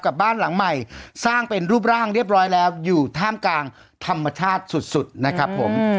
บ้านหลังใหม่สร้างเป็นรูปร่างเรียบร้อยแล้วอยู่ท่ามกลางธรรมชาติสุดนะครับผม